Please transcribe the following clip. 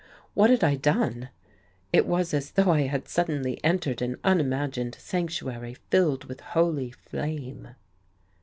What had I done? It was as though I had suddenly entered an unimagined sanctuary filled with holy flame....